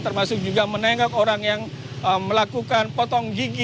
termasuk juga menengok orang yang melakukan potong gigi